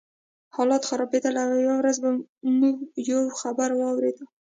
حالات خرابېدل او یوه ورځ موږ یو خبر واورېد